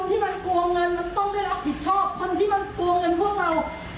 ออกมาบอกน้ำเข้าเข้ากับพวกคุณวาเจียนยังไงแล้วนะครับ